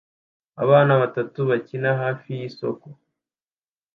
abana batatu bakina hafi yisoko